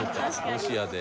ロシアで。